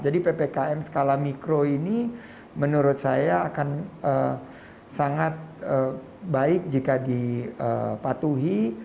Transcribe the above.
jadi ppkm skala mikro ini menurut saya akan sangat baik jika dipatuhi